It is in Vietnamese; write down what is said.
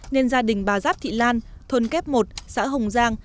nên gia đình bà giáp thị lan thôn kép một xã hồng giang